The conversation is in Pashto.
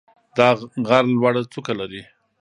دا غر لوړه څوکه لري.